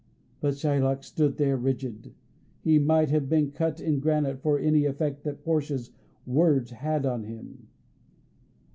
But Shylock stood there rigid; he might have been cut in granite for any effect that Portia's words had on him.